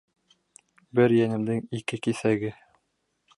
Бер йәнемдең ике киҫәге.